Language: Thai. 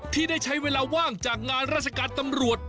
ที่ได้ใช้เวลาว่างจากงานราชการตำรวจ